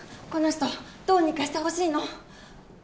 この人をどうにかしてほしいの。